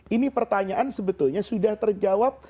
ini pertanyaan sebetulnya sudah terjawab